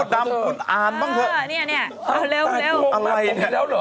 โอ้มุดดำคุณอ่านบ้างเถอะเออนี่เอาเร็ว